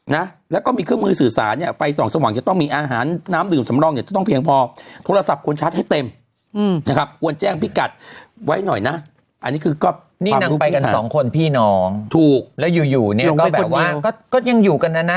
น้องถูกแล้วอยู่อยู่เนี่ยก็แบบว่าก็ยังอยู่กันนะนะ